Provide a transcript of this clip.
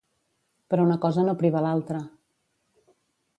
Però una cosa no priva l’altra.